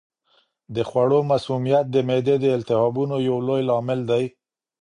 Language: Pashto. د خوړو مسمومیت د معدې د التهابونو یو لوی لامل دی.